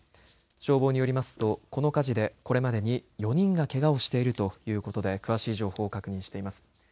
消防によりますとこの火事でこれまでに４人がけがをしているということで詳しい情報を確認しています。